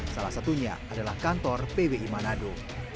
salah satunya adalah kantor pwi manado